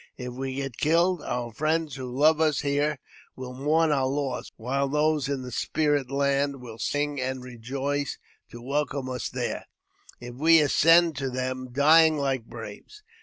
If we get killed, our friends w^ho love us here will mourn our loss, while those in the spirit land will sing and rejoice to welcome us there, if we ascend to them dying like braves.